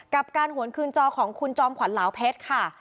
กับการหวนคืนจอของคุณจอมขวัญเหลาเพชรค่ะ